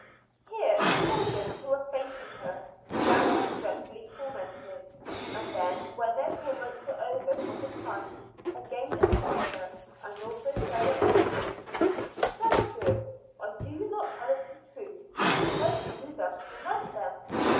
"Here the children who were facing her, began to be dreadfully tormented; and then when their torments were over for the time, again accused her, and also Sarah Osburn. "Sarah Good, why do you not tell us the truth? Why do you thus torment them?"